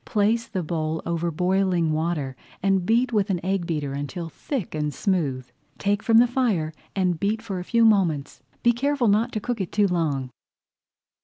Place the bowl over boiling water and beat with an egg beater until thick and smooth. Take from the fire and beat for a few moments. Be careful not to cook it too long.